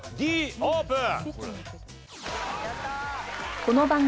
Ｄオープン！